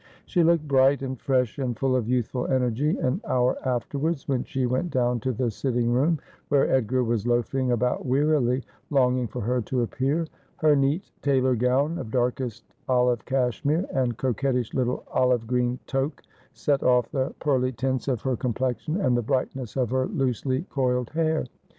She looked bright and fresh and full of youthful energy an hour afterwards, when she went down to the sitting room, where Edgar was loafing about wearily, longing for her to appear. Her neat tailor gown of darkest olive cashmere, and coquettish little olive green toque, set off the pearly tints of her complexion and the brightness of her loosely coiled hair.